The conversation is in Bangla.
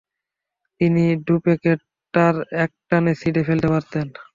তিনি দুপ্যাকেট তাস একটানে ছিঁড়ে ফেলতে পারতেন।